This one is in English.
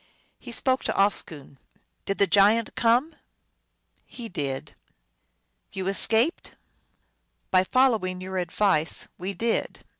He spoke to Oscoon :" Did the giant come ?"" He did." " You escaped ?"* By following your advice, we did."